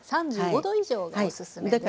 ３５度以上がおすすめです。